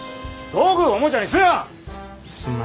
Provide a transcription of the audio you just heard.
道具をおもちゃにすな！